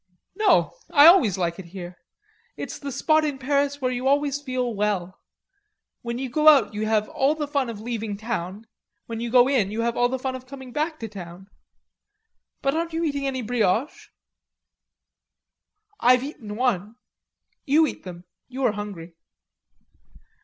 "No. I always like it here. It's the spot in Paris where you always feel well.... When you go out you have all the fun of leaving town, when you go in you have all the fun of coming back to town.... But you aren't eating any brioches?" "I've eaten one. You eat them. You are hungry."